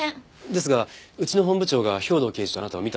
ですがうちの本部長が兵藤刑事とあなたを見たと。